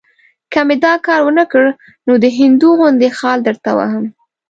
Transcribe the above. که مې دا کار ونه کړ، نو د هندو غوندې خال درته وهم.